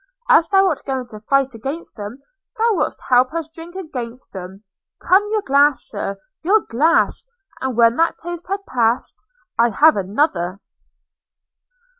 – As thou art going to fight against them, thou wilt help us drink against them – Come; your glass Sir; your glass! And when that toast has passed, I have another.'